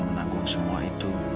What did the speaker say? menanggung semua itu